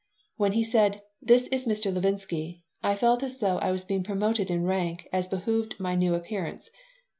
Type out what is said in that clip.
When he said, "This is Mr. Levinsky," I felt as though I was being promoted in rank as behooved my new appearance.